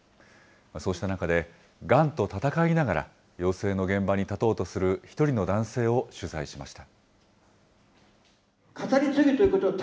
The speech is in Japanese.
そうした中で、がんと闘いながら、養成の現場に立とうとする１人の男性を取材しました。